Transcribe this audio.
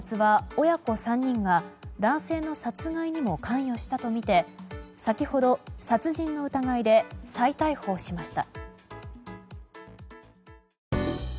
警察は親子３人が男性の殺害にも関与したとみて先ほど殺人の疑いで再逮捕しました。